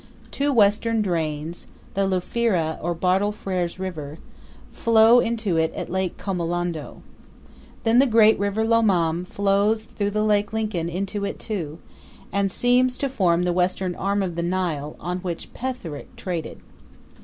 Two western drains, the Lufira, or Bartle Frere's River, flow into it at Lake Kamolondo. Then the great River Lomame flows through Lake Lincoln into it too, and seems to form the western arm of the Nile, on which Petherick traded.